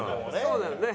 そうだよね。